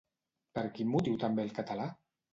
Per quin motiu també el català?